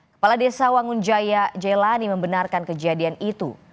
kepala desa wangunjaya jelani membenarkan kejadian itu